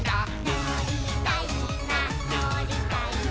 「のりたいなのりたいな」